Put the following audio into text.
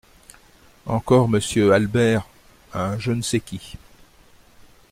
Encore Monsieur Albert… un je ne sais qui.